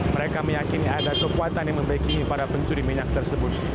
mereka meyakini ada kekuatan yang membekini para pencuri minyak tersebut